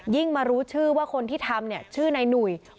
ยิ่งมารู้ชื่อว่าคนที่ทำชื่อในหนุ่ย